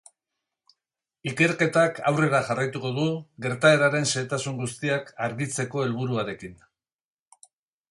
Ikerketak aurrera jarraituko du, gertaeraren xehetasun guztiak argitzeko helburuarekin.